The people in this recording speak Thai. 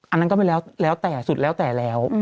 อันนั้นก็ไม่แล้วแต่สุดแล้วแต่แล้ว